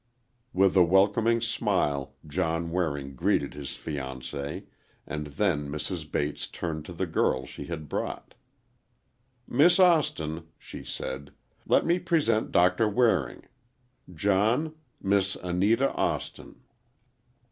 With a welcoming smile, John Waring greeted his fiancee, and then Mrs. Bates turned to the girl she had brought. "Miss Austin," she said, "let me present Doctor Waring. John,—Miss Anita Austin."